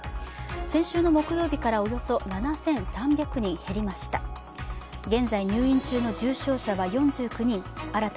先週の木曜日からおよそ７３００人減りました。